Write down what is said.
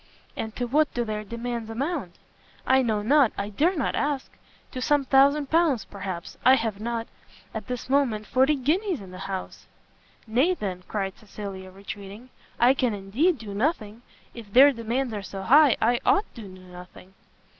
"And to what do their demands amount?" "I know not! I dare not ask! to some thousand pounds, perhaps, and I have not, at this minute, forty guineas in the house!" "Nay, then," cried Cecilia, retreating, "I can indeed do nothing! if their demands are so high, I ought to do nothing."